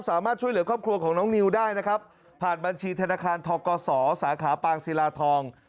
สามารถช่วยเหลือครอบครัวของน้องนิวได้นะครับผ่านบัญชีธนาคารทกศสาขาปางศิลาทอง